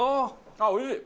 あっおいしい！